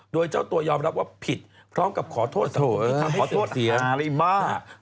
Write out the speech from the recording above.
โดยเจ้าตัวยอบรับว่าผิดพร้อมกับขอโทษที่ทำให้เสี่ยงเสียง